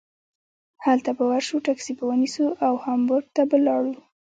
هلته به ور شو ټکسي به ونیسو او هامبورګ ته به لاړو.